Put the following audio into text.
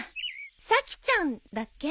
さきちゃんだっけ？